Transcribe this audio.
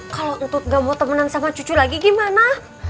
kalau untut gak mau temenan sama cucu lagi gimana